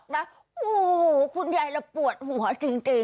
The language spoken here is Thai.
โหคุณญายละปวดหัวจริง